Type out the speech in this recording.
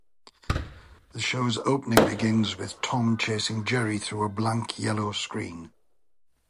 The show's opening begins with Tom chasing Jerry through a blank yellow screen.